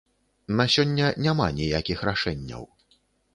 На сёння няма ніякіх рашэнняў.